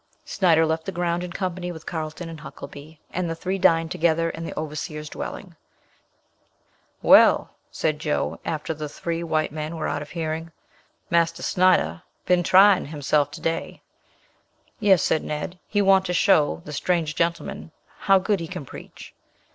'" Snyder left the ground in company with Carlton and Huckelby, and the three dined together in the overseer's dwelling. "Well," said Joe, after the three white men were out of hearing, "Marser Snyder bin try hesef to day." "Yes," replied Ned; "he want to show de strange gentman how good he can preach."